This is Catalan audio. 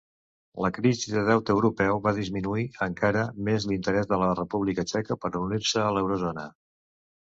La crisi del deute europeu va disminuir encara més l'interès de la República Txeca per unir-se a l'eurozona.